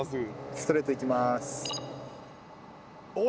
ストレートいきます。